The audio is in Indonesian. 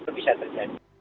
itu bisa terjadi